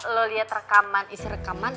lo lihat rekaman isi rekaman